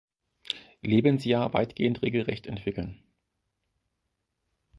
Lebensjahr weitgehend regelgerecht entwickeln.